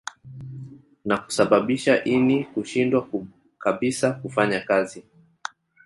Na kusababisha ini kushindwa kabisa kufanya kazi